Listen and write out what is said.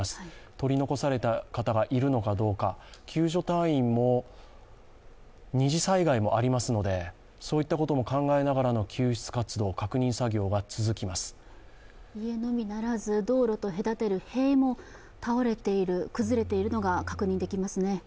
取り残された方がいるのかどうか、救助隊員も二次災害もありますので、そういったところも考えながらの救出活動、確認作業が家のみならず、道路と隔てる塀も倒れている、崩れているのが確認できますね。